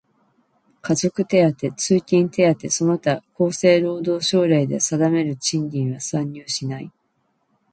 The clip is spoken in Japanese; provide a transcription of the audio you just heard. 家族手当、通勤手当その他厚生労働省令で定める賃金は算入しない。